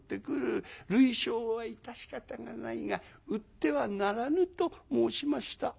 類焼は致し方がないが売ってはならぬ』と申しました」。